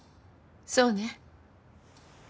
そうね。